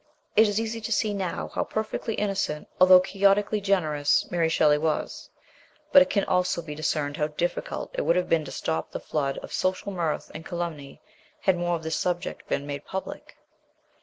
It is easy to see now how perfectly innocent, although Quixotically generous, Mary Shelley was; but it can 236 MRS. SHELLEY. also be discerned how difficult it would have been to stop the flood of social mirth and calumny, had more of this subject been made public.